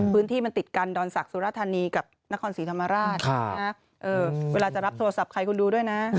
พื้นที่มันติดกันดอนศักดิสุรธานีกับนครศรีธรรมราชเวลาจะรับโทรศัพท์ใครคุณดูด้วยนะ